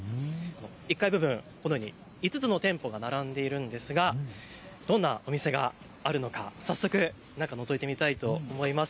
１階部分、このように５つの店舗が並んでいるんですがどんなお店があるのか早速、中をのぞいてみたいと思います。